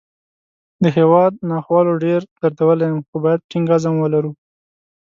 د هیواد ناخوالو ډېر دردولی یم، خو باید ټینګ عزم ولرو